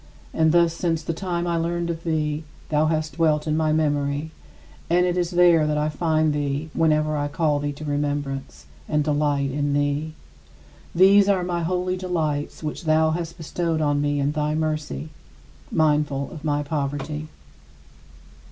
And thus since the time I learned of thee, thou hast dwelt in my memory, and it is there that I find thee whenever I call thee to remembrance, and delight in thee. These are my holy delights, which thou hast bestowed on me in thy mercy, mindful of my poverty.